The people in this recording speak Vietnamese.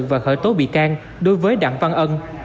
và khởi tố bị can đối với đặng văn ân